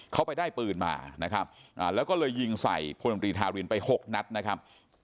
เขาไปได้ปืนมานะครับแล้วก็เลยยิงใส่พลดมตรีทารินไป๖นัดนะครับ